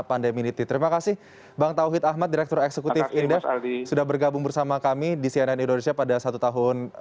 pandemiity terima kasih bang tauhid ahmad direktur eksekutif indef sudah bergabung bersama kami di cnn indonesia pada satu tahun